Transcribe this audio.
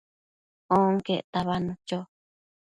onquec tabadnu cho